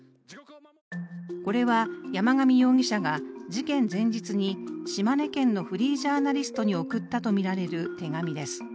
これは山上容疑者が事件前日に島根県のフリージャーナリストに送ったとみられる手紙です。